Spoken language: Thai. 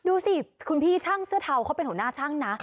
ดูสิคุณพี่ช่างเสื้อเทาเขาเป็นหัวหน้าช่างนะ